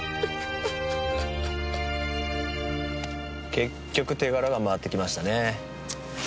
結局手柄が回ってきましたねぇ。